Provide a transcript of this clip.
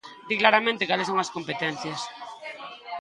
Di claramente cales son as competencias.